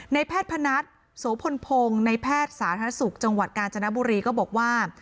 แพทย์พนัทโสพลพงศ์ในแพทย์สาธารณสุขจังหวัดกาญจนบุรีก็บอกว่า